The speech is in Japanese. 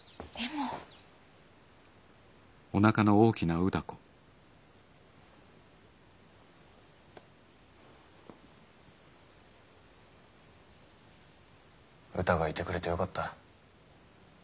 うたがいてくれてよかった。